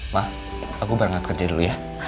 ma aku bareng atur kerja dulu ya